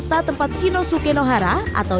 tapi salah satu